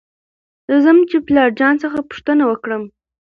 زه ځم چې پلار جان څخه پوښتنه وکړم .